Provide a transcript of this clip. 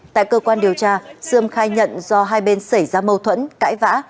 tại cơ quan điều tra sươm khai nhận do hai bên xảy ra mâu thuẫn cãi vã